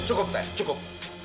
cukup pak cukup